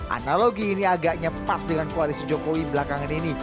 analogi ini agaknya pas dengan koalisi jokowi belakangan ini